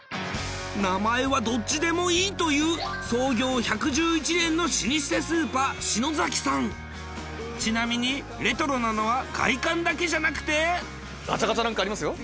名前はどっちでもいいという創業１１１年の老舗スーパーしのざきさんちなみにレトロなのは外観だけじゃなくてガチャガチャなんかありますよ。